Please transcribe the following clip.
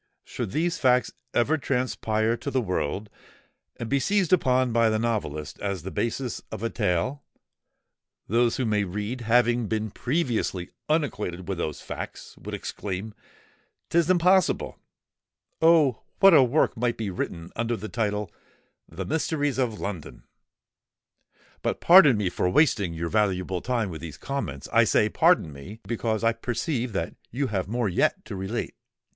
Should these facts ever transpire to the world, and be seized upon by the novelist as the basis of a tale, those who may read, having been previously unacquainted with those facts, would exclaim, ''Tis impossible!' Oh! what a work might be written, under the title of THE MYSTERIES OF LONDON! But pardon me for wasting your valuable time with these comments:—I say, pardon me—because I perceive that you have more yet to relate."